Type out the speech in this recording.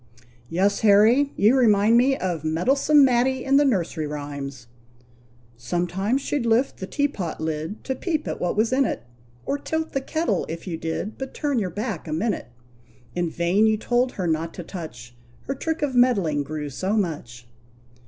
"Yes, Harry! You remind me of Meddlesome Matty in the nursery rhymes, "Sometimes she'd lift the teapot lid To peep at what was in it, Or tilt the kettle, if you did But turn your back a minute. In vain you told her not to touch, Her trick of meddling grew so much."